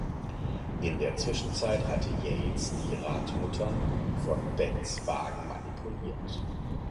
In der Zwischenzeit hat Yates die Radmuttern von Bens Wagen manipuliert.